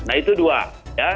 nah itu dua